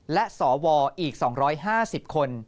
และสวอีก๒๕๐คน